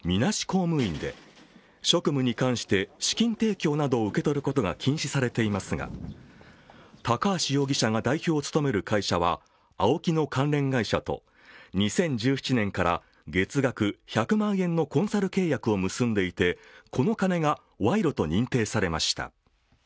公務員で職務に関して資金提供などを受け取ることが禁止されていますが高橋容疑者が代表を務める会社はＡＯＫＩの関連会社と２０１７年から月額１００万円のコンサル契約を結んでいてこの金が賄賂と認定されました。